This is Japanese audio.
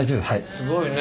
すごいね。